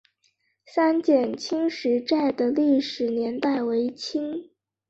三捷青石寨的历史年代为清。